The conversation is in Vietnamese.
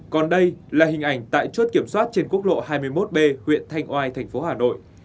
còn đây là hình ảnh tại chốt kiểm soát trên quốc lộ hai mươi một b huyện thanh oai thành phố hà nội